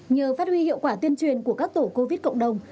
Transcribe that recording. nhờ phát huy hiệu quả tuyên truyền của các tổ covid cộng đồng